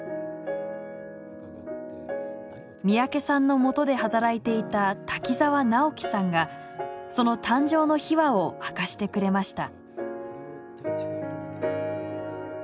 三宅さんのもとで働いていた滝沢直己さんがその誕生の秘話を明かしてくれました。